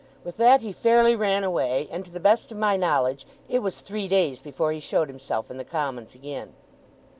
With that he fairly ran away; and to the best of my knowledge, it was three days before he showed himself in the Commons again.